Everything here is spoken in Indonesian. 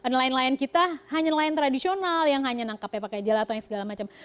nelayan nelayan kita hanya nelayan tradisional yang hanya nangkap ya pakai gelatang segala macam